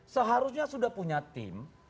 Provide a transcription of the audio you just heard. seharusnya sudah punya tim